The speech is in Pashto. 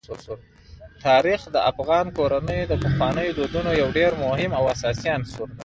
تاریخ د افغان کورنیو د پخوانیو دودونو یو ډېر مهم او اساسي عنصر دی.